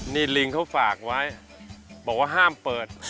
นี่ลิงเขาฝากไว้บอกว่าห้ามเปิด